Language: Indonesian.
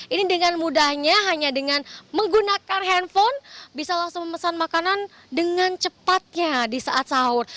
ini dengan mudahnya hanya dengan menggunakan handphone bisa langsung memesan makanan dengan cepatnya di saat sahur